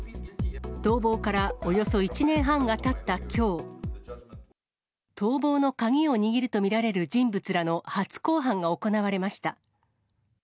逃亡からおよそ１年半がたったきょう、逃亡の鍵を握ると見られる人物らの初公判が行われました。